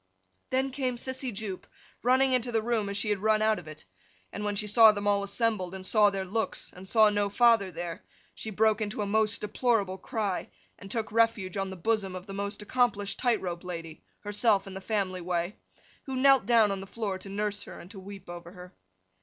Then came Sissy Jupe, running into the room as she had run out of it. And when she saw them all assembled, and saw their looks, and saw no father there, she broke into a most deplorable cry, and took refuge on the bosom of the most accomplished tight rope lady (herself in the family way), who knelt down on the floor to nurse her, and to weep over her.